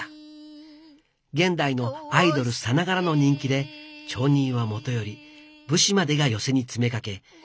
現代のアイドルさながらの人気で町人はもとより武士までが寄席に詰めかけ